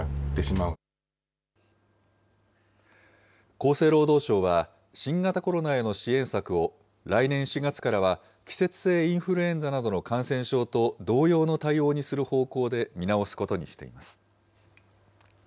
厚生労働省は新型コロナへの支援策を、来年４月からは季節性インフルエンザなどの感染症と同様の対応にする方向で見直すことにしています。